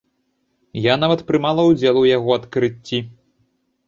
Я нават прымала ўдзел у яго адкрыцці.